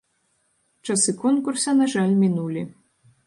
Часы конкурса, на жаль, мінулі.